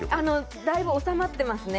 だいぶ収まってますね